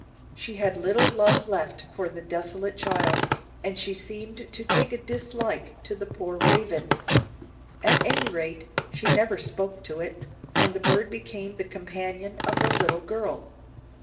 She had little love left for the desolate child, and she seemed to take a dislike to the poor Raven. At any rate, she never spoke to it, and the bird became the companion of the little girl.